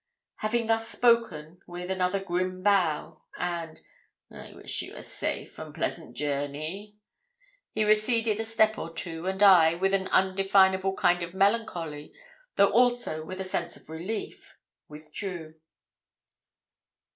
Having thus spoken, with another grim bow, and 'I wish you a safe and pleasant journey,' he receded a step or two, and I, with an undefinable kind of melancholy, though also with a sense of relief, withdrew.